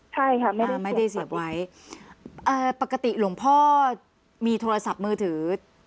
ใช่ค่ะไม่ได้เสียบไว้เอ่อปกติหลวงพ่อมีโทรศัพท์มือถือ